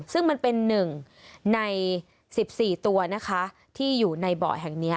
ซึ่งมันเป็น๑ใน๑๔ตัวนะคะที่อยู่ในเบาะแห่งนี้